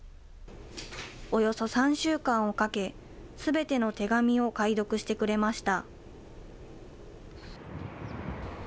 およそ３週間をかけ、すべての手紙を解読してくれました。